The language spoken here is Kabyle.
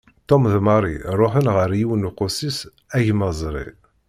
Tom d Mary ruḥen ɣer yiwen uqussis agmaẓri.